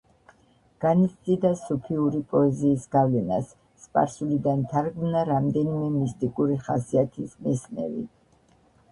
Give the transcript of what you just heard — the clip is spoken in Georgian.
განიცდიდა სუფიური პოეზიის გავლენას, სპარსულიდან თარგმნა რამდენიმე მისტიკური ხასიათის მესნევი.